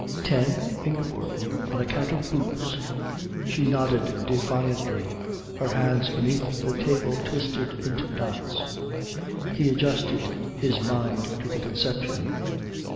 "Ten, Ingeborg? On account of boots?" She nodded defiantly, her hands beneath the table twisted into knots. He adjusted his mind to the conception.